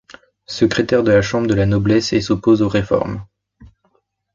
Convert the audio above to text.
Secrétaire de la chambre de la noblesse et s'oppose aux réformes.